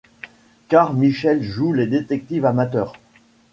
Car Michel joue les détectives amateurs.